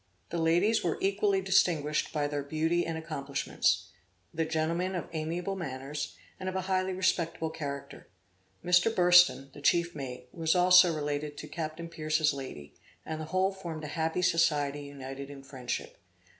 The ladies were equally distinguished by their beauty and accomplishments; the gentlemen of amiable manners, and of a highly respectable character. Mr. Burston, the chief mate, was also related to Captain Pierce's lady, and the whole formed a happy society united in friendship.